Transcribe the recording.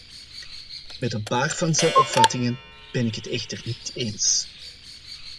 Met een paar van zijn opvattingen ben ik het echter niet eens.